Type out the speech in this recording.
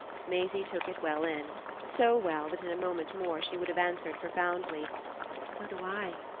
Maisie took it well in; so well that in a moment more she would have answered profoundly: "So do I."